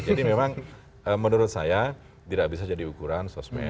jadi memang menurut saya tidak bisa jadi ukuran sosmed